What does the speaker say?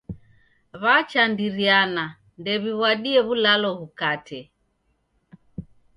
W'achandiriana ndew'iw'adie w'ulalo ghukate.